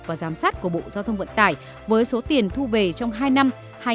và giám sát của bộ giao thông vận tải với số tiền thu về trong hai năm hai nghìn một mươi hai nghìn một mươi